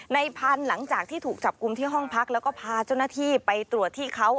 ในพันธุ์หลังจากที่ถูกจับกลุ่มที่ห้องพักแล้วก็พาเจ้าหน้าที่ไปตรวจที่เขา